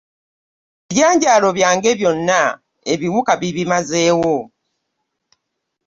Ebijanjalo byange byona ebiwuka bibimazeewo.